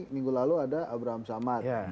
minggu lalu ada abraham samad